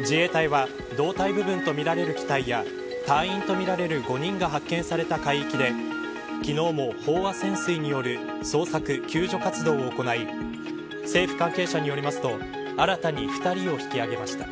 自衛隊は胴体部分とみられる機体や隊員とみられる５人が発見された海域で昨日も飽和潜水による捜索・救助活動を行い政府関係者によりますと新たに２人を引き上げました。